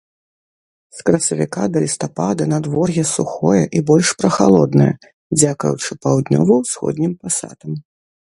З красавіка да лістапада надвор'е сухое і больш прахалоднае, дзякуючы паўднёва-ўсходнім пасатам.